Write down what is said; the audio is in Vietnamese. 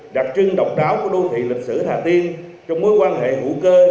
đặc trưng độc đáo của đô thị lịch sử hà tiên trong mối quan hệ hữu cơ